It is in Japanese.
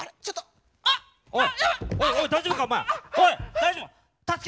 大丈夫か。